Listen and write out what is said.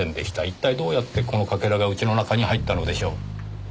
一体どうやってこのかけらが家の中に入ったのでしょう？